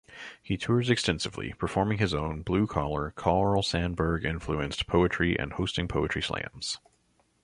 He tours extensively, performing his own, blue-collar, Carl Sandburg-influenced poetry and hosting poetry slams.